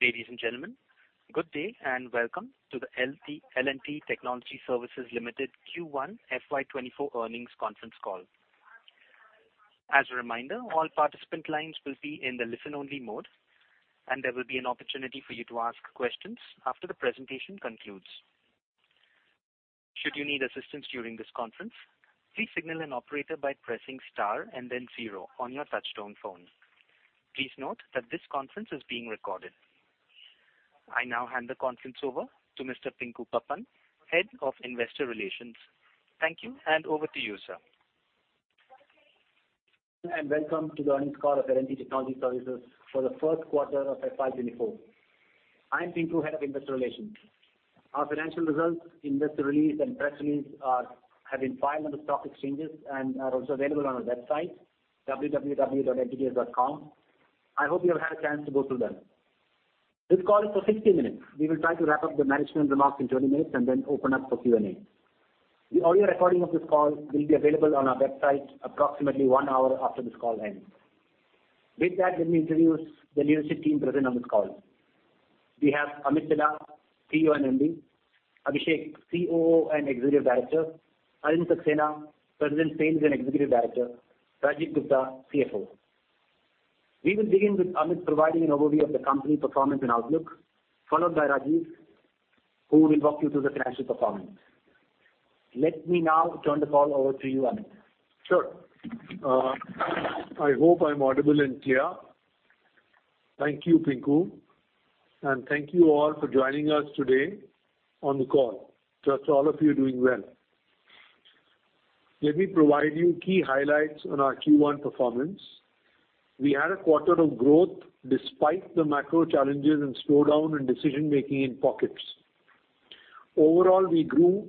Ladies and gentlemen, good day, and welcome to the L&T Technology Services Limited Q1 FY 2024 earnings conference call. As a reminder, all participant lines will be in the listen-only mode, and there will be an opportunity for you to ask questions after the presentation concludes. Should you need assistance during this conference, please signal an operator by pressing star and then zero on your touchtone phone. Please note that this conference is being recorded. I now hand the conference over to Mr. Pinku Pappan, Head of Investor Relations. Thank you, and over to you, sir. Welcome to the earnings call of L&T Technology Services for the first quarter of FY 2024. I'm Pinku, Head of Investor Relations. Our financial results, investor release, and press release have been filed on the stock exchanges and are also available on our website, www.ltts.com. I hope you have had a chance to go through them. This call is for 60 minutes. We will try to wrap up the management remarks in 20 minutes and then open up for Q&A. The audio recording of this call will be available on our website approximately one hour after this call ends. Let me introduce the leadership team present on this call. We have Amit Chadha, CEO and MD; Abhishek, COO and Executive Director; Alind Saxena, President, Sales, and Executive Director; Rajeev Gupta, CFO. We will begin with Amit providing an overview of the company performance and outlook, followed by Rajeev, who will walk you through the financial performance. Let me now turn the call over to you, Amit. Sure. I hope I'm audible and clear. Thank you, Pinku, and thank you all for joining us today on the call. Trust all of you are doing well. Let me provide you key highlights on our Q1 performance. We had a quarter of growth despite the macro challenges and slowdown in decision-making in pockets. Overall, we grew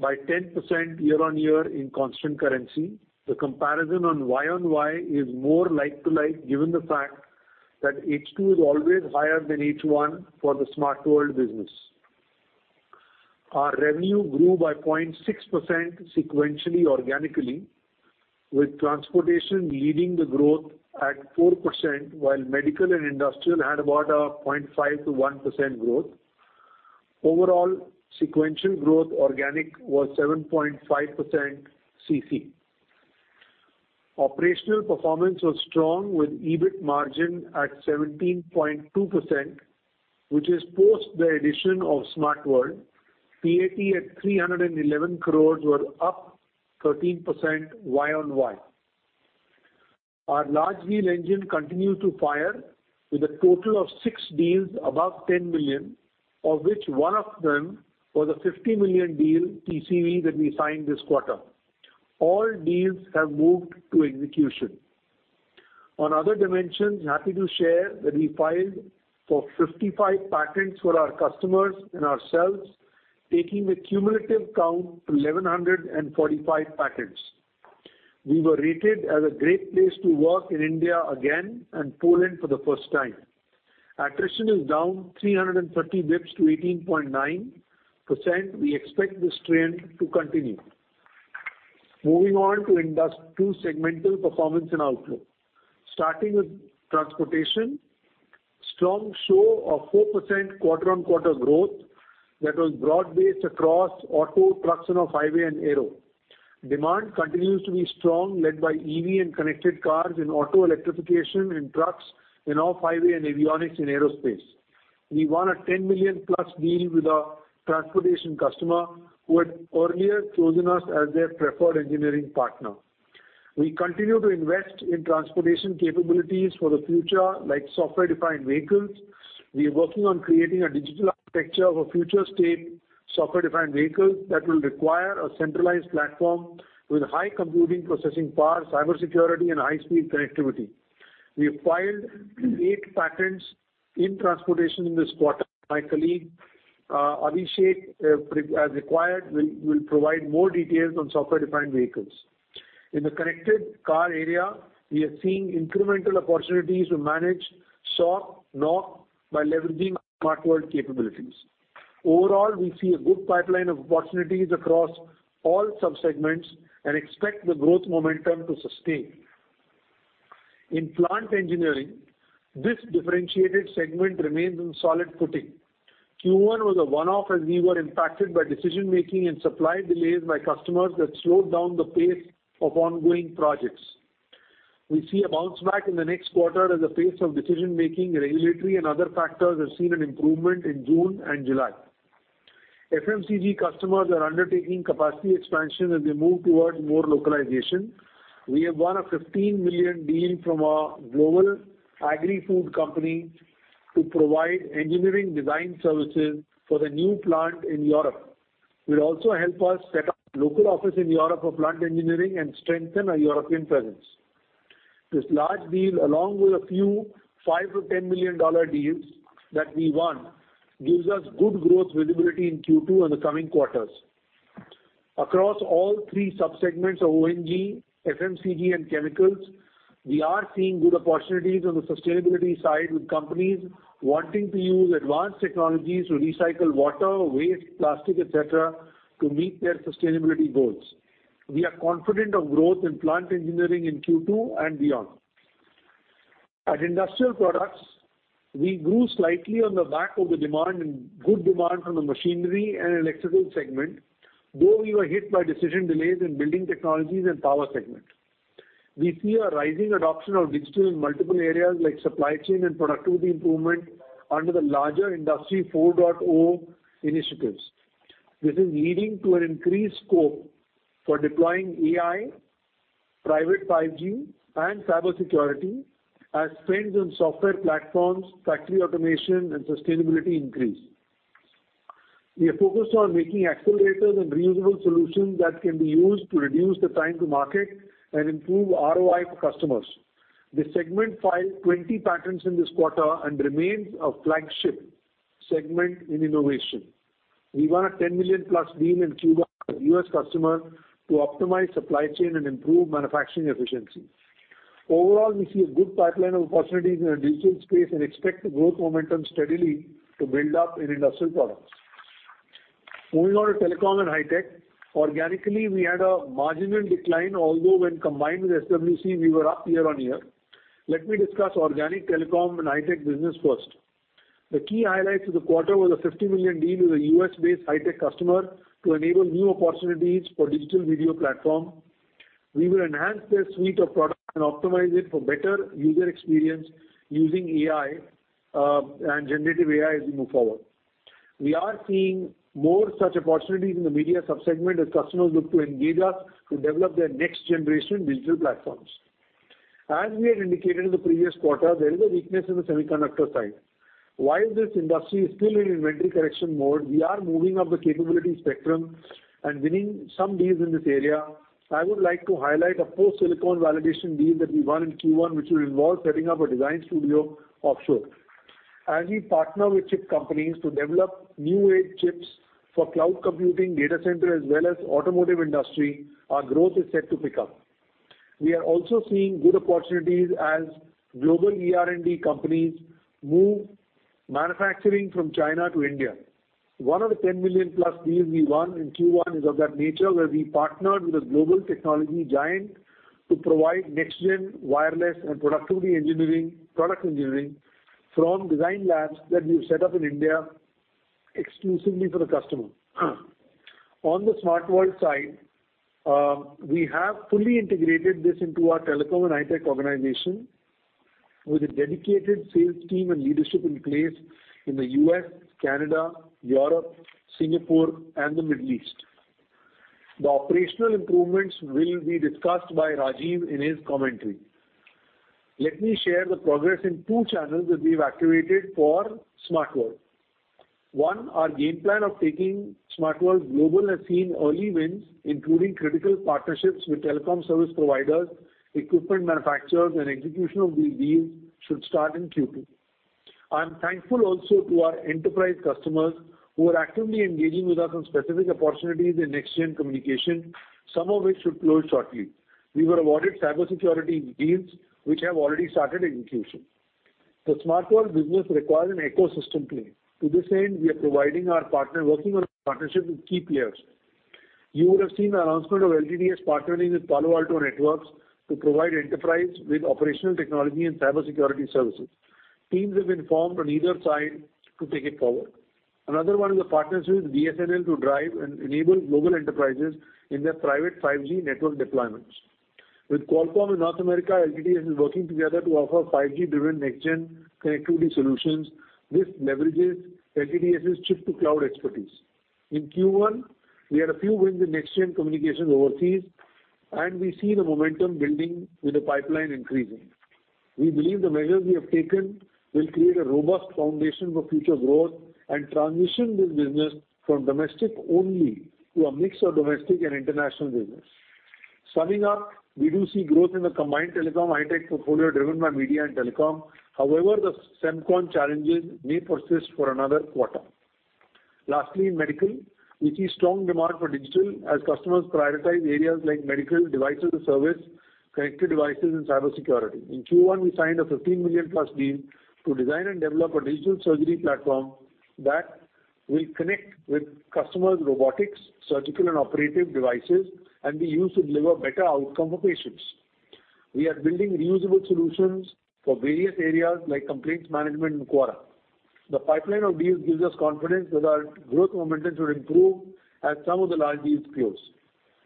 by 10% year-on-year in constant currency. The comparison on Y-on-Y is more like-to-like, given the fact that H2 is always higher than H1 for the Smart World business. Our revenue grew by 0.6% sequentially, organically, with transportation leading the growth at 4%, while medical and industrial had about a 0.5%-1% growth. Overall, sequential growth organic was 7.5% CC. Operational performance was strong, with EBIT margin at 17.2%, which is post the addition of Smart World. PAT at 311 crores were up 13% Y-on-Y. Our large deal engine continued to fire with a total of 6 deals above 10 million, of which one of them was a 50 million deal TCV that we signed this quarter. All deals have moved to execution. On other dimensions, happy to share that we filed for 55 patents for our customers and ourselves, taking the cumulative count to 1,145 patents. We were rated as a great place to work in India again and Poland for the first time. Attrition is down 330 bps to 18.9%. We expect this trend to continue. Moving on to industry two segmental performance and outlook. Starting with transportation, strong show of 4% quarter-over-quarter growth that was broad-based across auto, trucks, and off highway and aero. Demand continues to be strong, led by EV and connected cars in auto electrification and trucks in off-highway and avionics in aerospace. We won an 10 million+ deal with a transportation customer who had earlier chosen us as their preferred engineering partner. We continue to invest in transportation capabilities for the future, like software-defined vehicles. We are working on creating a digital architecture of a future state software-defined vehicle that will require a centralized platform with high computing, processing power, cybersecurity, and high-speed connectivity. We filed eight patents in transportation in this quarter. My colleague, Abhishek, as required, will provide more details on software-defined vehicles. In the connected car area, we are seeing incremental opportunities to manage SOC/NOC, by leveraging Smart World capabilities. Overall, we see a good pipeline of opportunities across all subsegments and expect the growth momentum to sustain. In plant engineering, this differentiated segment remains in solid footing. Q1 was a one-off, as we were impacted by decision-making and supply delays by customers that slowed down the pace of ongoing projects. We see a bounce back in the next quarter as the pace of decision-making, regulatory, and other factors have seen an improvement in June and July. FMCG customers are undertaking capacity expansion as they move towards more localization. We have won a $15 million deal from a global agri-food company to provide engineering design services for the new plant in Europe. It will also help us set up local office in Europe for plant engineering and strengthen our European presence. This large deal, along with a few $5 million-$10 million deals that we won, gives us good growth visibility in Q2 and the coming quarters. Across all three subsegments of O&G, FMCG, and chemicals, we are seeing good opportunities on the sustainability side, with companies wanting to use advanced technologies to recycle water, waste, plastic, et cetera, to meet their sustainability goals. We are confident of growth in plant engineering in Q2 and beyond. At industrial products, we grew slightly on the back of good demand from the machinery and electrical segment, though we were hit by decision delays in building technologies and power segment. We see a rising adoption of digital in multiple areas like supply chain and productivity improvement under the larger Industry 4.0 initiatives. This is leading to an increased scope for deploying AI, private 5G, and cybersecurity as spends on software platforms, factory automation, and sustainability increase. We are focused on making accelerators and reusable solutions that can be used to reduce the time to market and improve ROI for customers. This segment filed 20 patents in this quarter and remains a flagship segment in innovation. We won a $10 million+ deal in Q1 with a U.S. customer to optimize supply chain and improve manufacturing efficiency. Overall, we see a good pipeline of opportunities in the digital space and expect the growth momentum steadily to build up in industrial products. Moving on to telecom and high tech. Organically, we had a marginal decline, although when combined with SWC, we were up year-on-year. Let me discuss organic telecom and high-tech business first. The key highlights of the quarter were the $50 million deal with a U.S.-based high-tech customer to enable new opportunities for digital video platform. We will enhance their suite of products and optimize it for better user experience using AI, and generative AI as we move forward. We are seeing more such opportunities in the media sub-segment as customers look to engage us to develop their next-generation digital platforms. As we had indicated in the previous quarter, there is a weakness in the semiconductor side. While this industry is still in inventory correction mode, we are moving up the capability spectrum and winning some deals in this area. I would like to highlight a post-silicon validation deal that we won in Q1, which will involve setting up a design studio offshore. As we partner with chip companies to develop new-age chips for cloud computing, data center, as well as automotive industry, our growth is set to pick up. We are also seeing good opportunities as global ER&D companies move manufacturing from China to India. One of the $10 million+ deals we won in Q1 is of that nature, where we partnered with a global technology giant to provide next-gen wireless and productivity engineering, product engineering from design labs that we've set up in India exclusively for the customer. On the Smart World side, we have fully integrated this into our telecom and high-tech organization, with a dedicated sales team and leadership in place in the U.S., Canada, Europe, Singapore, and the Middle East. The operational improvements will be discussed by Rajeev in his commentary. Let me share the progress in two channels that we've activated for Smart World. One, our game plan of taking Smart World global has seen early wins, including critical partnerships with telecom service providers, equipment manufacturers, and execution of these deals should start in Q2. I'm thankful also to our enterprise customers, who are actively engaging with us on specific opportunities in next-gen communication, some of which should close shortly. We were awarded cybersecurity deals, which have already started execution. The Smart World business requires an ecosystem play. To this end, we are working on partnership with key players. You would have seen the announcement of LTTS partnering with Palo Alto Networks to provide enterprise with operational technology and cybersecurity services. Teams have been formed on either side to take it forward. Another one is a partnership with BSNL to drive and enable global enterprises in their private 5G network deployments. With Qualcomm in North America, LTTS is working together to offer 5G-driven next-gen connectivity solutions. This leverages LTTS' chip-to-cloud expertise. In Q1, we had a few wins in next-gen communications overseas, and we see the momentum building with the pipeline increasing. We believe the measures we have taken will create a robust foundation for future growth and transition this business from domestic-only to a mix of domestic and international business. Summing up, we do see growth in the combined telecom high tech portfolio, driven by media and telecom. However, the semicon challenges may persist for another quarter. Lastly, in medical, we see strong demand for digital as customers prioritize areas like medical devices as a service, connected devices, and cybersecurity. In Q1, we signed an 15 million+ deal to design and develop a digital surgery platform that will connect with customers' robotics, surgical, and operative devices, and be used to deliver better outcome for patients. We are building reusable solutions for various areas like complaints management and QARA. The pipeline of deals gives us confidence that our growth momentum should improve as some of the large deals close.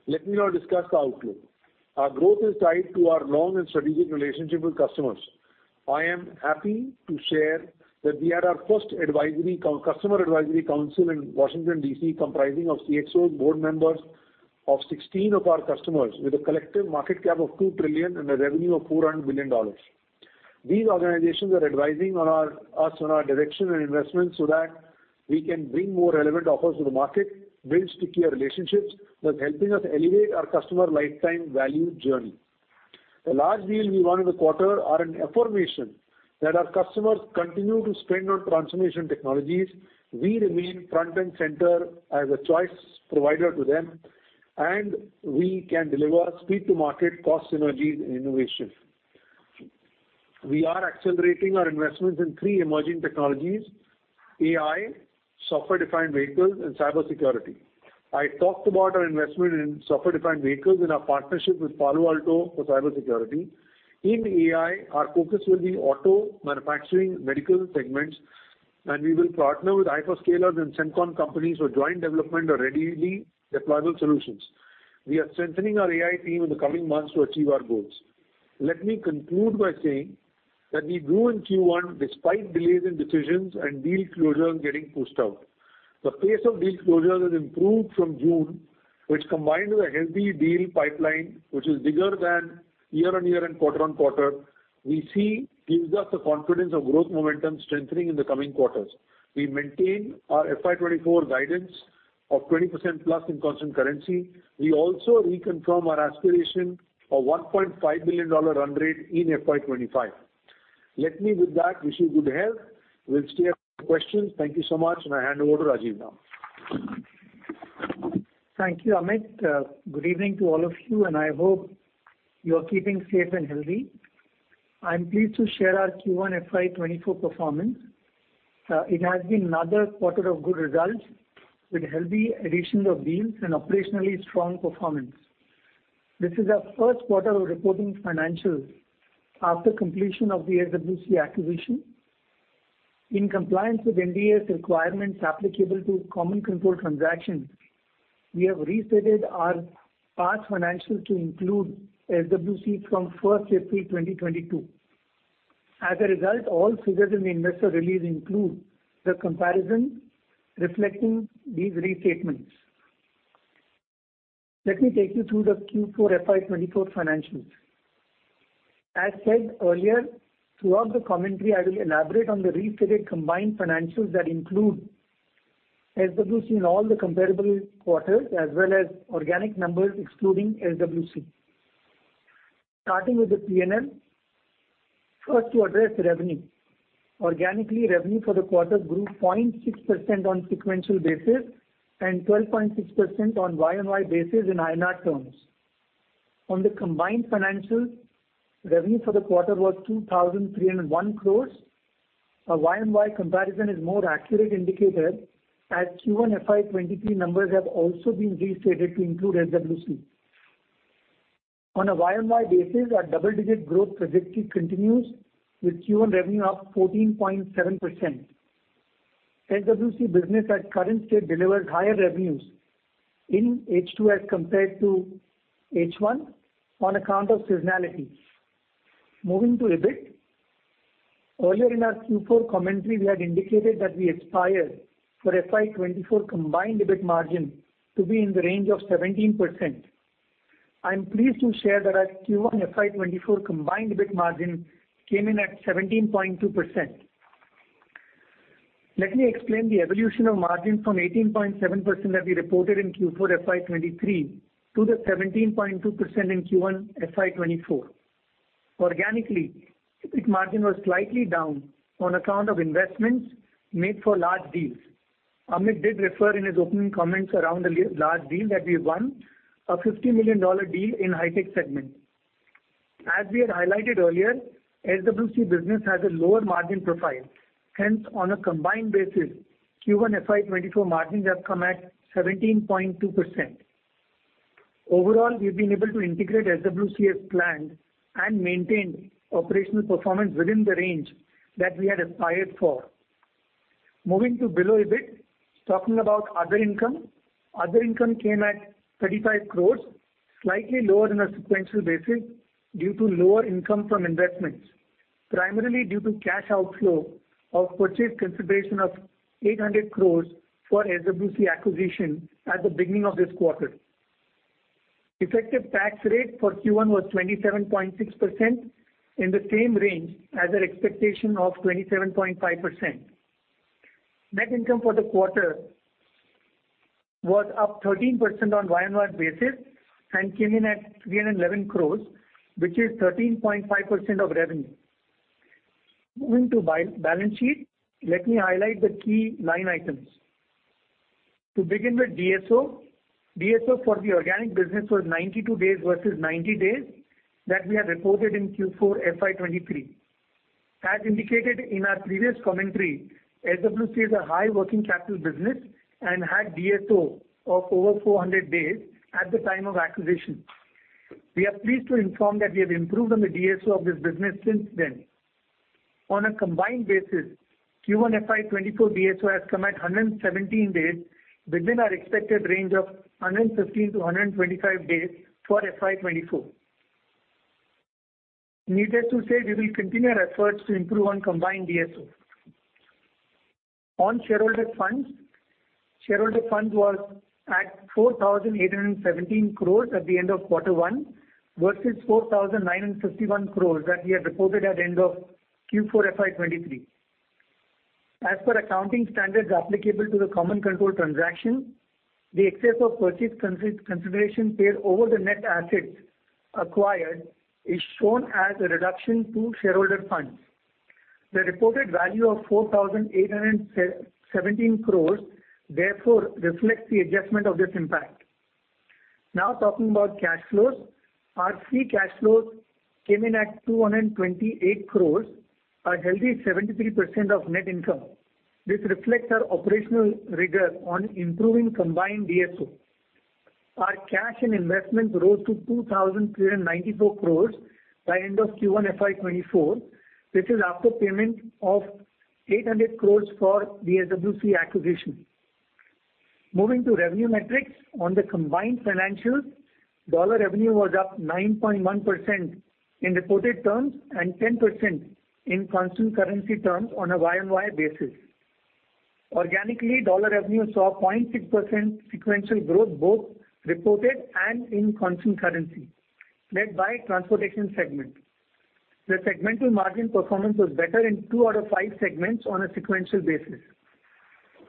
Let me now discuss the outlook. Our growth is tied to our long and strategic relationship with customers. I am happy to share that we had our first customer advisory council in Washington, D.C., comprising of CXO, board members of 16 of our customers, with a collective market cap of $2 trillion and a revenue of $400 billion. These organizations are advising us on our direction and investments so that we can bring more relevant offers to the market, build stickier relationships, thus helping us elevate our customer lifetime value journey. The large deals we won in the quarter are an affirmation that our customers continue to spend on transformation technologies. We remain front and center as a choice provider to them, we can deliver speed to market, cost synergies, and innovation. We are accelerating our investments in three emerging technologies: AI, software-defined vehicles, and cybersecurity. I talked about our investment in software-defined vehicles and our partnership with Palo Alto for cybersecurity. In AI, our focus will be auto, manufacturing, medical segments, and we will partner with hyperscalers and semicon companies for joint development or readily deployable solutions. We are strengthening our AI team in the coming months to achieve our goals. Let me conclude by saying that we grew in Q1 despite delays in decisions and deal closures getting pushed out. The pace of deal closures has improved from June, which combined with a healthy deal pipeline, which is bigger than year-on-year and quarter-on-quarter, we see gives us the confidence of growth momentum strengthening in the coming quarters. We maintain our FY 2024 guidance of 20%+ in constant currency. We also reconfirm our aspiration of a $1.5 billion run rate in FY 2025. Let me, with that, wish you good health. We'll stay up for questions. Thank you so much, and I hand over to Rajeev now. Thank you, Amit. good evening to all of you, and I hope you are keeping safe and healthy. I am pleased to share our Q1 FY 2024 performance. It has been another quarter of good results, with healthy additions of deals and operationally strong performance. This is our first quarter of reporting financials after completion of the SWC acquisition. In compliance with India's requirements applicable to common control transactions, we have restated our past financials to include SWC from 1st April 2022. As a result, all figures in the investor release include the comparison reflecting these restatements. Let me take you through the Q4 FY 2024 financials. As said earlier, throughout the commentary, I will elaborate on the restated combined financials that include SWC in all the comparable quarters, as well as organic numbers excluding SWC. Starting with the P&L. First, to address revenue. Organically, revenue for the quarter grew 0.6% on sequential basis and 12.6% on Y-on-Y basis in INR terms. On the combined financials, revenue for the quarter was 2,301 crores. A Y-on-Y comparison is more accurate indicator, as Q1 FY 2023 numbers have also been restated to include SWC. On a Y-on-Y basis, our double-digit growth trajectory continues, with Q1 revenue up 14.7%. SWC business at current state delivers higher revenues in H2 as compared to H1 on account of seasonality. Moving to EBIT. Earlier in our Q4 commentary, we had indicated that we aspire for FY 2024 combined EBIT margin to be in the range of 17%. I am pleased to share that our Q1 FY 2024 combined EBIT margin came in at 17.2%. Let me explain the evolution of margin from 18.7% that we reported in Q4 FY 2023, to the 17.2% in Q1 FY 2024. Organically, EBIT margin was slightly down on account of investments made for large deals. Amit did refer in his opening comments around the large deal that we won, a $50 million deal in high-tech segment. As we had highlighted earlier, SWC business has a lower margin profile. Hence, on a combined basis, Q1 FY 2024 margins have come at 17.2%. Overall, we've been able to integrate SWC as planned and maintain operational performance within the range that we had aspired for. Moving to below EBIT, talking about other income. Other income came at 35 crores, slightly lower than a sequential basis due to lower income from investments, primarily due to cash outflow of purchase consideration of 800 crores for SWC acquisition at the beginning of this quarter. Effective tax rate for Q1 was 27.6%, in the same range as our expectation of 27.5%. Net income for the quarter was up 13% on Y-on-Y basis and came in at 311 crores, which is 13.5% of revenue. Moving to balance sheet, let me highlight the key line items. To begin with DSO. DSO for the organic business was 92 days versus 90 days that we had reported in Q4 FY 2023. As indicated in our previous commentary, SWC is a high working capital business and had DSO of over 400 days at the time of acquisition. We are pleased to inform that we have improved on the DSO of this business since then. On a combined basis, Q1 FY 2024 DSO has come at 117 days, within our expected range of 115-125 days for FY 2024. Needless to say, we will continue our efforts to improve on combined DSO. On shareholder funds, shareholder funds was at 4,817 crores at the end of Q1, versus 4,951 crores that we had reported at the end of Q4 FY 2023. As per accounting standards applicable to the common control transaction, the excess of purchase consideration paid over the net assets acquired is shown as a reduction to shareholder funds. The reported value of 4,817 crores therefore reflects the adjustment of this impact. Now, talking about cash flows. Our free cash flows came in at 228 crores, a healthy 73% of net income. This reflects our operational rigor on improving combined DSO. Our cash and investments rose to 2,394 crores by end of Q1 FY 2024, which is after payment of 800 crores for the SWC acquisition. Moving to revenue metrics. On the combined financials, dollar revenue was up 9.1% in reported terms and 10% in constant currency terms on a YOY basis. Organically, dollar revenue saw 0.6% sequential growth, both reported and in constant currency, led by transportation segment. The segmental margin performance was better in two out of five segments on a sequential basis.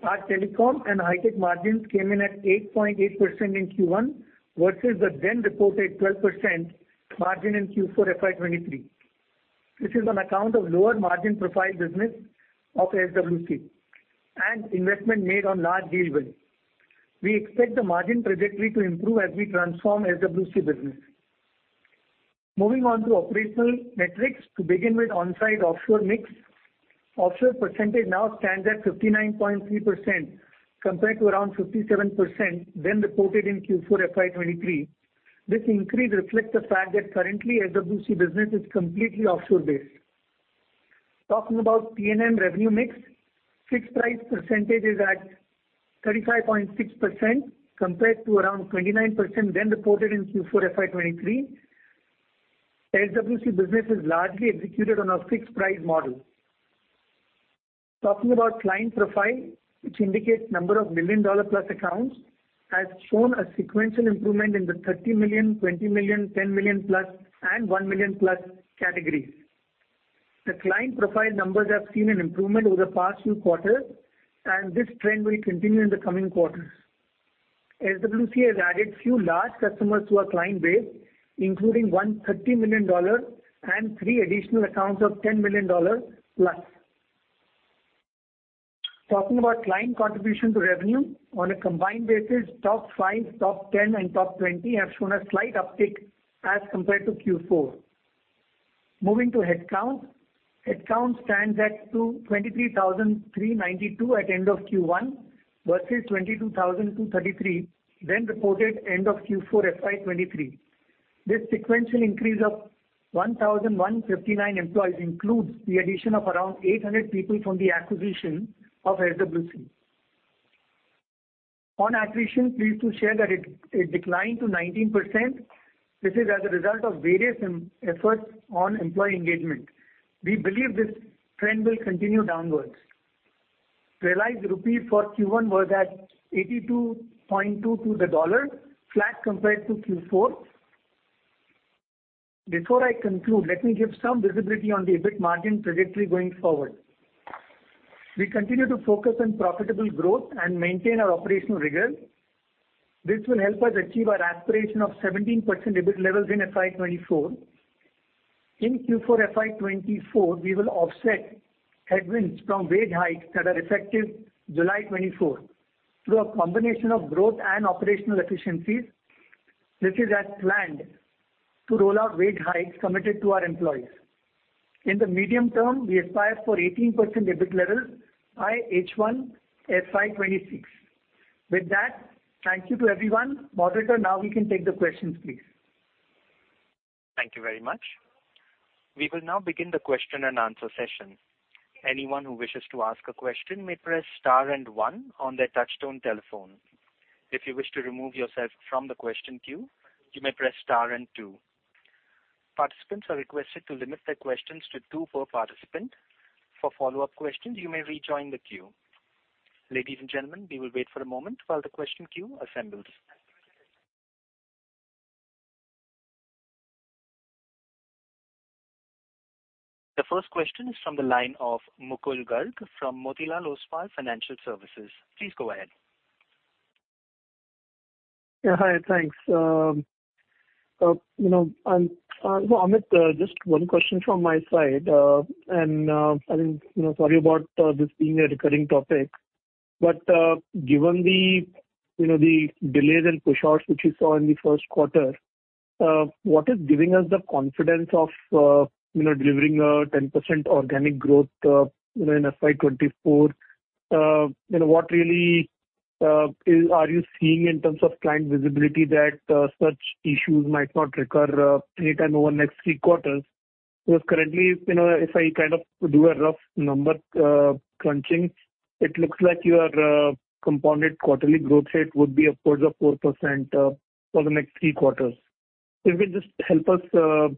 Our telecom and high-tech margins came in at 8.8% in Q1, versus the then-reported 12% margin in Q4 FY 2023. This is on account of lower margin profile business of SWC and investment made on large deal win. We expect the margin trajectory to improve as we transform SWC business. Moving on to operational metrics. To begin with, onsite-offshore mix. Offshore percentage now stands at 59.3%, compared to around 57% then reported in Q4 FY 2023. This increase reflects the fact that currently SWC business is completely offshore-based. Talking about T&M revenue mix, fixed price percentage is at 35.6%, compared to around 29% then reported in Q4 FY 2023. SWC business is largely executed on a fixed price model. Talking about client profile, which indicates number of million-dollar-plus accounts, has shown a sequential improvement in the $30 million, $20 million, $10 million+, and $1 million+ categories. The client profile numbers have seen an improvement over the past few quarters, and this trend will continue in the coming quarters. SWC has added few large customers to our client base, including one $30 million and three additional accounts of $10 million+. Talking about client contribution to revenue. On a combined basis, top five, top 10, and top 20 have shown a slight uptick as compared to Q4. Moving to headcount. Headcount stands at 23,392 at end of Q1, versus 22,233 reported end of Q4 FY 2023. This sequential increase of 1,159 employees includes the addition of around 800 people from the acquisition of SWC. On attrition, pleased to share that it declined to 19%. This is as a result of various efforts on employee engagement. We believe this trend will continue downwards. Realized rupee for Q1 was at 82.2 to the dollar, flat compared to Q4. Before I conclude, let me give some visibility on the EBIT margin trajectory going forward. We continue to focus on profitable growth and maintain our operational rigor. This will help us achieve our aspiration of 17% EBIT levels in FY 2024. In Q4 FY 2024, we will offset headwinds from wage hikes that are effective July 2024, through a combination of growth and operational efficiencies. This is as planned to roll out wage hikes committed to our employees. In the medium term, we aspire for 18% EBIT levels by H1 FY 2026. With that, thank you to everyone. Moderator, now we can take the questions, please. Thank you very much. We will now begin the question-and-answer session. Anyone who wishes to ask a question may press star and one on their touchtone telephone. If you wish to remove yourself from the question queue, you may press star and two. Participants are requested to limit their questions to two per participant. For follow-up questions, you may rejoin the queue. Ladies and gentlemen, we will wait for a moment while the question queue assembles. The first question is from the line of Mukul Garg from Motilal Oswal Financial Services. Please go ahead. Yeah, hi, thanks. You know, Amit, just one question from my side. I think, you know, sorry about this being a recurring topic, but given the, you know, the delays and pushouts which you saw in the first quarter, what is giving us the confidence of, you know, delivering a 10% organic growth, you know, in FY 2024? You know, what really are you seeing in terms of client visibility that such issues might not recur anytime over the next three quarters? Currently, you know, if I kind of do a rough number, crunching, it looks like your compounded quarterly growth rate would be upwards of 4% for the next three quarters. If you could just help us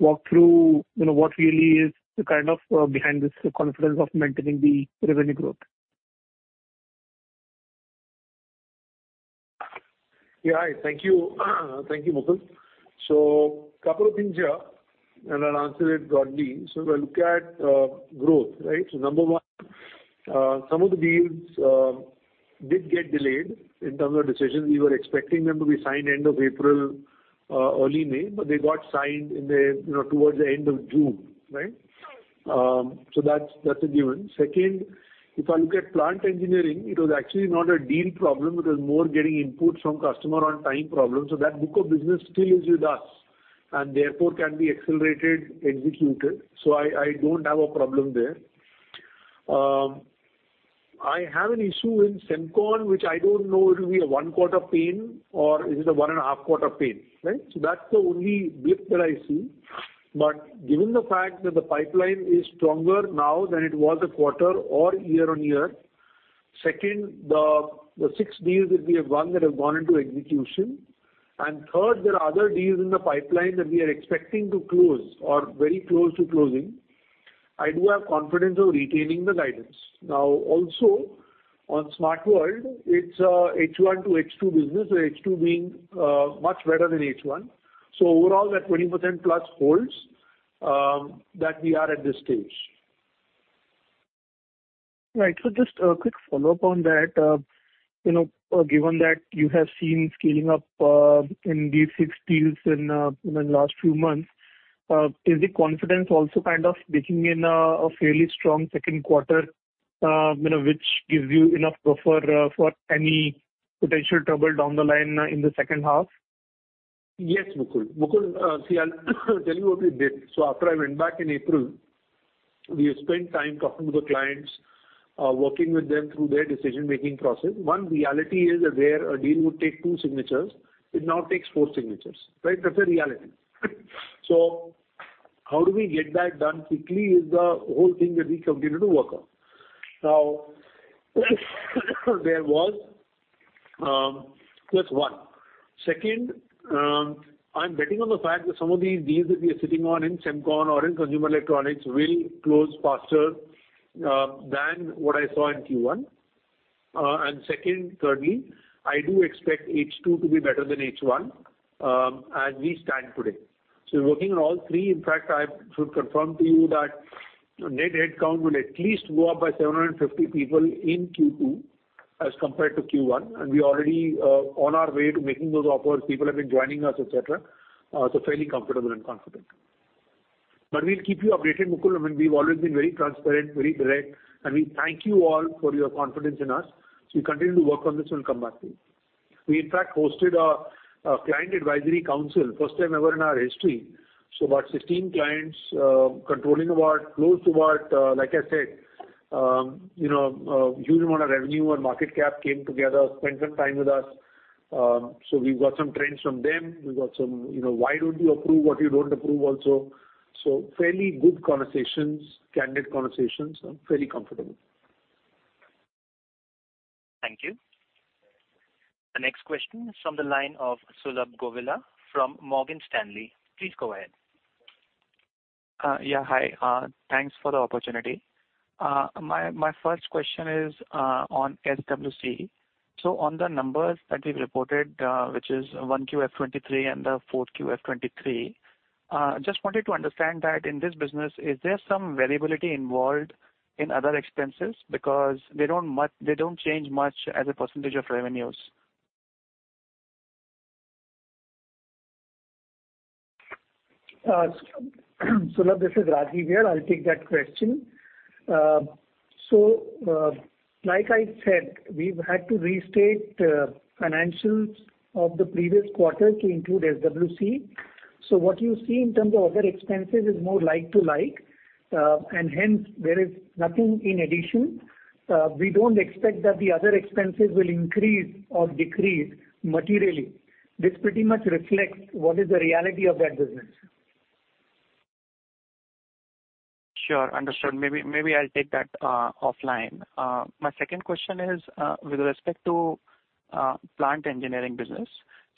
walk through, you know, what really is the kind of behind this confidence of maintaining the revenue growth? Yeah. Hi, thank you. Thank you, Mukul. Couple of things here, and I'll answer it broadly. We'll look at growth, right? Number one, some of the deals did get delayed in terms of decisions. We were expecting them to be signed end of April, early May, but they got signed in the, you know, towards the end of June, right? That's, that's a given. Second, if I look at plant engineering, it was actually not a deal problem, it was more getting input from customer on time problem. That book of business still is with us, and therefore can be accelerated, executed, so I don't have a problem there. I have an issue in semicon, which I don't know it will be a 1-quarter pain or is it a 1.5-quarter pain, right? That's the only blip that I see. Given the fact that the pipeline is stronger now than it was a quarter or year-on-year. Second, the six deals that we have won, that have gone into execution, and third, there are other deals in the pipeline that we are expecting to close or very close to closing. I do have confidence of retaining the guidance. Also, on Smart World, it's a H1 to H2 business, where H2 being much better than H1. Overall, that 20%+ holds that we are at this stage. Right. Just a quick follow-up on that. you know, given that you have seen scaling up, in these six deals in the last few months, is the confidence also kind of kicking in a fairly strong second quarter, you know, which gives you enough buffer for any potential trouble down the line in the second half? Yes, Mukul. Mukul, see, I'll tell you what we did. After I went back in April, we spent time talking to the clients, working with them through their decision-making process. One reality is that where a deal would take two signatures, it now takes four signatures, right? That's a reality. How do we get that done quickly is the whole thing that we continue to work on. That's one. Second, I'm betting on the fact that some of these deals that we are sitting on in semicon or in consumer electronics, will close faster than what I saw in Q1. Thirdly, I do expect H2 to be better than H1, as we stand today. We're working on all three. I should confirm to you that net headcount will at least go up by 750 people in Q2 as compared to Q1, and we are already on our way to making those offers. People have been joining us, et cetera. Fairly comfortable and confident. We'll keep you updated, Mukul. I mean, we've always been very transparent, very direct, and we thank you all for your confidence in us. We continue to work on this and come back to you. We, in fact, hosted a client advisory council, first time ever in our history. About 16 clients, controlling close to about, like I said, you know, a huge amount of revenue and market cap came together, spent some time with us. We've got some trends from them. We've got some, you know, why don't you approve, what you don't approve also. Fairly good conversations, candid conversations, I'm fairly comfortable. Thank you. The next question is from the line of Sulabh Govila from Morgan Stanley. Please go ahead. Yeah, hi. Thanks for the opportunity. My first question is on SWC. On the numbers that we've reported, which is 1Q FY 2023 and the 4Q FY 2023, just wanted to understand that in this business, is there some variability involved in other expenses? Because they don't change much as a percentage of revenues. Sulabh, this is Rajeev here. I'll take that question. Like I said, we've had to restate financials of the previous quarter to include SWC. What you see in terms of other expenses is more like to like, and hence there is nothing in addition. We don't expect that the other expenses will increase or decrease materially. This pretty much reflects what is the reality of that business. Sure. Understood. Maybe, maybe I'll take that offline. My second question is with respect to plant engineering business.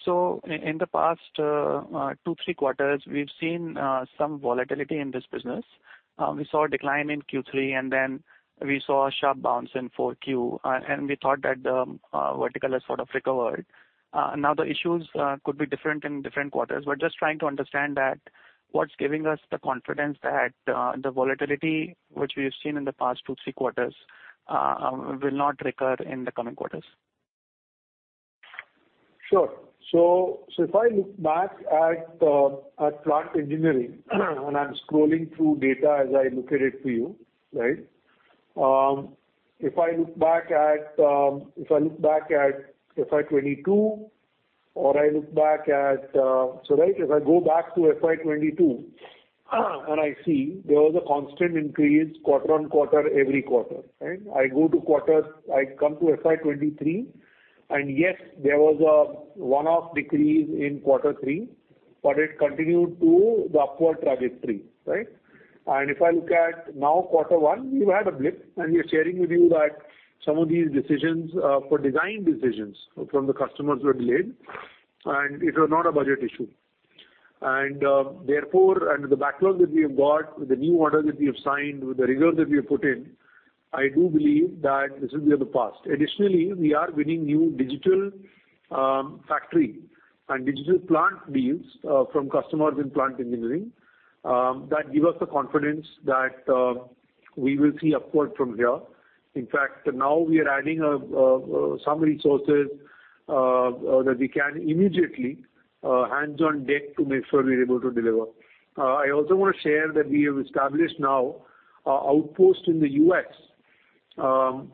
So in the past two, three quarters, we've seen some volatility in this business. We saw a decline in Q3, and then we saw a sharp bounce in 4Q, and we thought that vertical has sort of recovered. Now, the issues could be different in different quarters. We're just trying to understand that what's giving us the confidence that the volatility which we have seen in the past two, three quarters will not recur in the coming quarters? Sure. If I look back at plant engineering, and I'm scrolling through data as I look at it for you, right? If I look back at FY 2022, or I look back at. Right, if I go back to FY 2022, and I see there was a constant increase quarter-on-quarter, every quarter, right? I come to FY 2023, and yes, there was a one-off decrease in quarter three, but it continued to the upward trajectory, right? If I look at now, quarter one, we've had a blip, and we're sharing with you that some of these decisions, for design decisions from the customers were delayed, and it was not a budget issue. Therefore, and the backlog that we have got, with the new orders that we have signed, with the rigor that we have put in, I do believe that this will be of the past. Additionally, we are winning new digital factory and digital plant deals from customers in plant engineering that give us the confidence that we will see upward from here. In fact, now we are adding some resources that we can immediately hands on deck to make sure we're able to deliver. I also want to share that we have established now, a outpost in the U.S.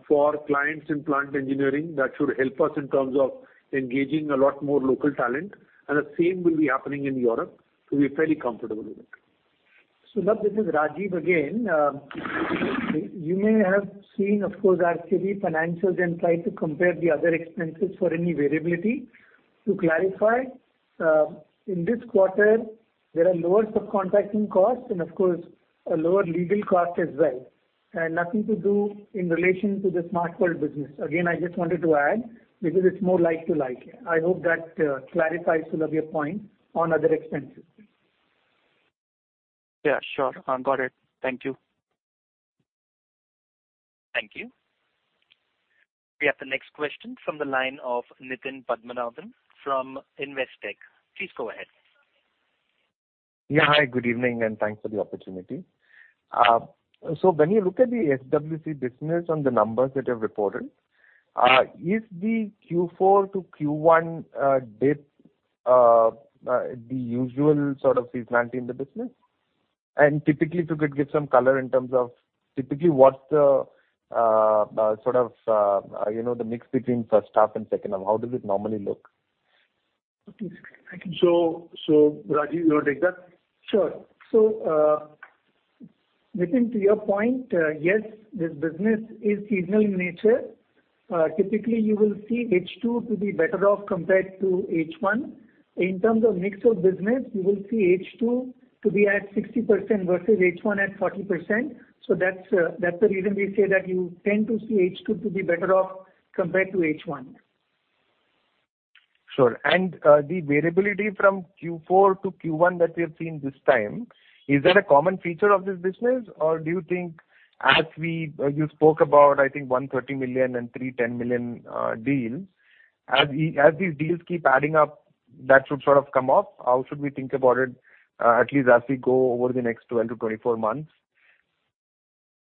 for clients in plant engineering. That should help us in terms of engaging a lot more local talent, and the same will be happening in Europe, so we're fairly comfortable with it. Sulabh, this is Rajeev again. You may have seen, of course, our [SEBI] financials and tried to compare the other expenses for any variability. To clarify, in this quarter, there are lower subcontracting costs and of course, a lower legal cost as well, and nothing to do in relation to the Smart World business. Again, I just wanted to add, because it's more like to like. I hope that clarifies, Sulabh, your point on other expenses. Yeah, sure. I've got it. Thank you. Thank you. We have the next question from the line of Nitin Padmanabhan from Investec. Please go ahead. Yeah. Hi, good evening, and thanks for the opportunity. When you look at the SWC business on the numbers that you have reported, is the Q4 to Q1 dip the usual sort of seasonality in the business? Typically, if you could give some color in terms of typically, what's the sort of, you know, the mix between first half and second half? How does it normally look? Rajeev, you want to take that? Sure. Nitin, to your point, yes, this business is seasonal in nature. Typically, you will see H2 to be better off compared to H1. In terms of mix of business, you will see H2 to be at 60% versus H1 at 40%. That's, that's the reason we say that you tend to see H2 to be better off compared to H1. Sure. The variability from Q4 to Q1 that we have seen this time, is that a common feature of this business? Or do you think as you spoke about, I think, one $30 million and three $10 million deals, as these deals keep adding up, that should sort of come up? How should we think about it, at least as we go over the next 12 to 24 months?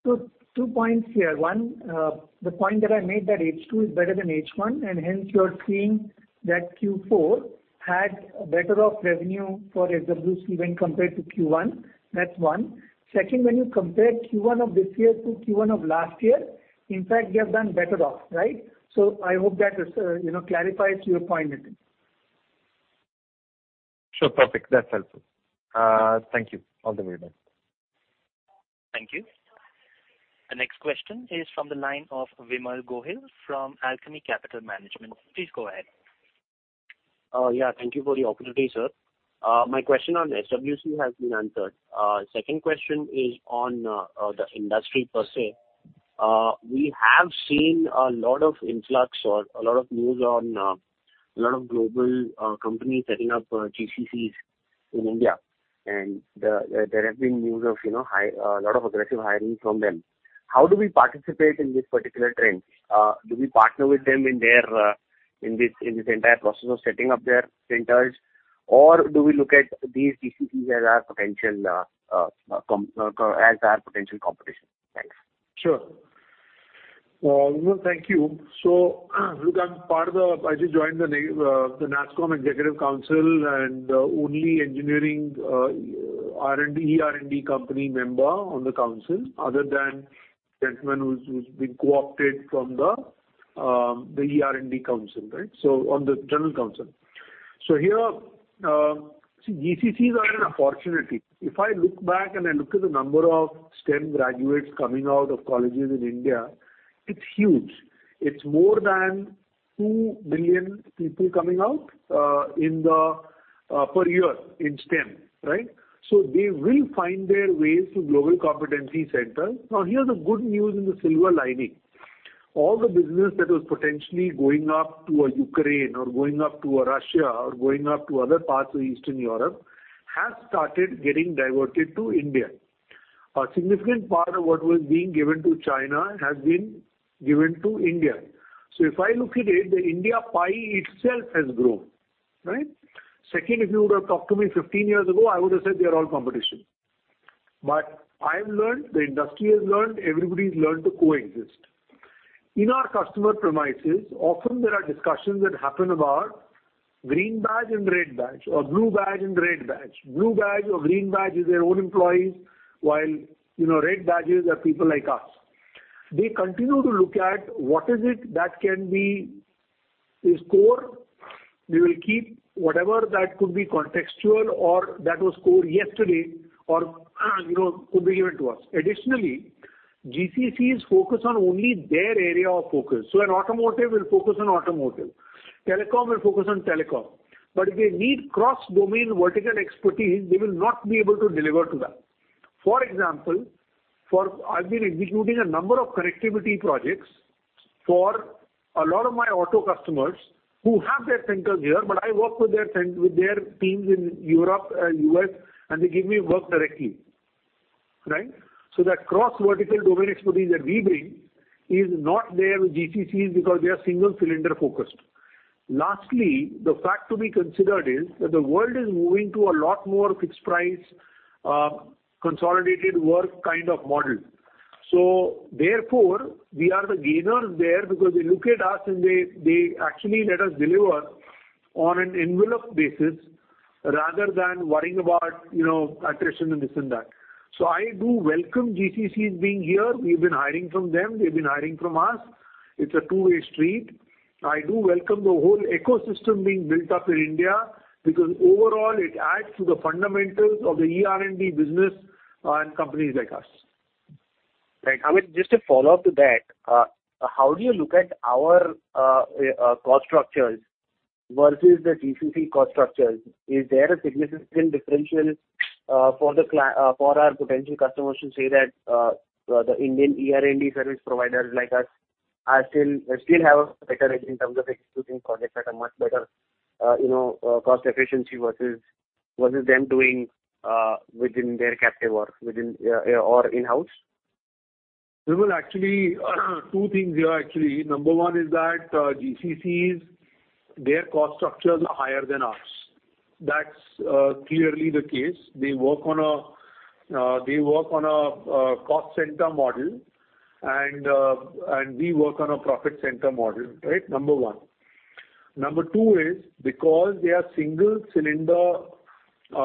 Two points here. One, the point that I made that H2 is better than H1, and hence you are seeing that Q4 had better off revenue for SWC when compared to Q1. That's one. Second, when you compare Q1 of this year to Q1 of last year, in fact, we have done better off, right? I hope that, you know, clarifies your point, Nitin. Sure. Perfect. That's helpful. Thank you. All the very best. Thank you. The next question is from the line of Vimal Gohil from Alchemy Capital Management. Please go ahead. Yeah, thank you for the opportunity, sir. My question on SWC has been answered. Second question is on the industry per se. We have seen a lot of influx or a lot of news on a lot of global companies setting up GCCs in India, and there have been news of, you know, a lot of aggressive hiring from them. How do we participate in this particular trend? Do we partner with them in their, in this, in this entire process of setting up their centers? Or do we look at these GCCs as our potential, as our potential competition? Thanks. Sure. Vimal, thank you. Look, I'm part of, I just joined the NASSCOM Executive Council, only engineering R&D, ER&D company member on the council, other than gentleman who's been co-opted from the ER&D Council, right? On the general council. Here, see, GCCs are an opportunity. If I look back and I look at the number of STEM graduates coming out of colleges in India, it's huge. It's more than two billion people coming out in the per year in STEM, right? They will find their way to global competency center. Now, here's the good news and the silver lining. All the business that was potentially going up to a Ukraine or going up to a Russia or going up to other parts of Eastern Europe, has started getting diverted to India. A significant part of what was being given to China has been given to India. If I look at it, the India pie itself has grown, right? Second, if you would have talked to me 15 years ago, I would have said they are all competition. I have learned, the industry has learned, everybody's learned to coexist. In our customer premises, often there are discussions that happen about green badge and red badge or blue badge and red badge. Blue badge or green badge is their own employees, while, you know, red badges are people like us. They continue to look at what is it that can be is core. They will keep whatever that could be contextual or that was core yesterday or, you know, could be given to us. Additionally, GCC is focused on only their area of focus. An automotive will focus on automotive, telecom will focus on telecom, but if they need cross-domain vertical expertise, they will not be able to deliver to that. For example, I've been executing a number of connectivity projects for a lot of my auto customers who have their centers here, but I work with their teams in Europe and US, and they give me work directly, right? That cross-vertical domain expertise that we bring is not there with GCCs because they are single-cylinder focused. Lastly, the fact to be considered is that the world is moving to a lot more fixed price, consolidated work kind of model. Therefore, we are the gainers there, because they look at us, and they actually let us deliver on an envelope basis rather than worrying about, you know, attrition and this and that. I do welcome GCCs being here. We've been hiring from them. They've been hiring from us. It's a two-way street. I do welcome the whole ecosystem being built up in India, because overall, it adds to the fundamentals of the ER&D business and companies like us. Right. Amit, just a follow-up to that. How do you look at our cost structures versus the GCC cost structures? Is there a significant differential for our potential customers to say that the Indian ER&D service providers like us they still have a better edge in terms of executing projects that are much better, you know, cost efficiency versus them doing within their captive work, within, or in-house? Vimal, actually, two things here, actually. Number 1 is that GCCs, their cost structures are higher than ours. That's clearly the case. They work on a cost center model, and we work on a profit center model, right? Number one. Number two is because they are single cylinder, they